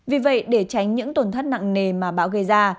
vì vậy để tránh những tổn thất nặng nề mà bão gây ra